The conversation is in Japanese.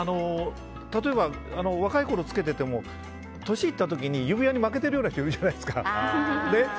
例えば、若いころ着けてても年いった時に指輪に負けてる気になるじゃないですか。